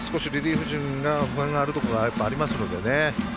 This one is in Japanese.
少しリリーフ陣不安あるところがありますので。